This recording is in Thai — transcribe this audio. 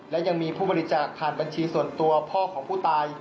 และยังมีผู้บริจาคผ่านบัญชีส่วนตัวพ่อของผู้ตาย